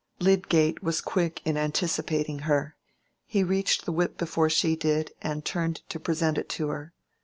Lydgate was quick in anticipating her. He reached the whip before she did, and turned to present it to her.